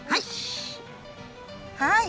はい！